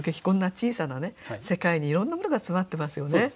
こんな小さな世界にいろんなものが詰まってますよね。